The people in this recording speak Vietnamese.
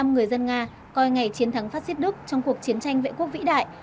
sáu mươi năm người dân nga coi ngày chiến thắng phát xít đức trong cuộc chiến tranh vệ quốc vĩ đại